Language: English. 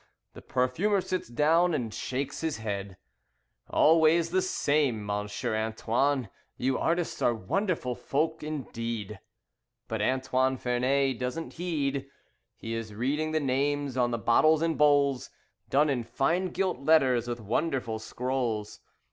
The perfumer sits down and shakes his head: "Always the same, Monsieur Antoine, You artists are wonderful folk indeed." But Antoine Vernet does not heed. He is reading the names on the bottles and bowls, Done in fine gilt letters with wonderful scrolls.